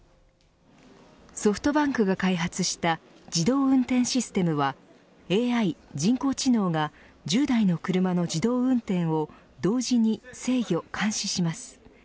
ソフトバンクが開発した自動運転システムはＡＩ、人工知能が１０台の車の自動運転を同時に制御、監視します。